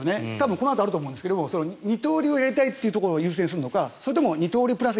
このあとあると思いますが二刀流をやりたいということを優先するのか、それとも二刀流プラス